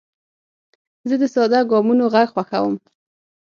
زه د ساده ګامونو غږ خوښوم.